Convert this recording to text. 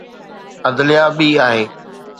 عدليه ٻي آهي.